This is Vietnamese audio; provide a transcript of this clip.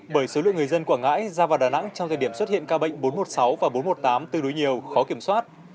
bởi số lượng người dân quảng ngãi ra vào đà nẵng trong thời điểm xuất hiện ca bệnh bốn trăm một mươi sáu và bốn trăm một mươi tám tương đối nhiều khó kiểm soát